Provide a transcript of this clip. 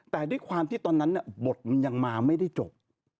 แต่ด้วยความที่ตอนนั้นบทมันยังมาไม่ได้จบ